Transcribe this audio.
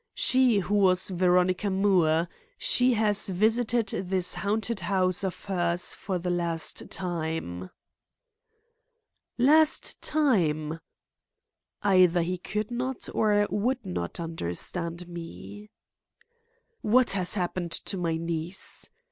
"She who was Veronica Moore. She has visited this haunted house of hers for the last time." "Last time!" Either he could not or would not understand me. "What has happened to my niece?"